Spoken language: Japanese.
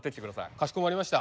かしこまりました。